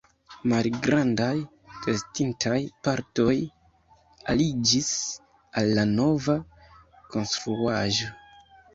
Malgrandaj restintaj partoj aliĝis al la nova konstruaĵo.